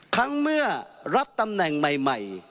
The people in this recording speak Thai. ครั้งเมื่อรับตำแหน่งใหม่